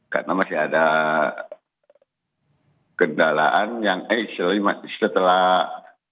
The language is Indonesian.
karena masih ada kendaraan yang eh setelah